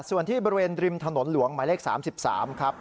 ส่วนที่บริเวณริมถนนหลวงหมายเลข๓๓ครับ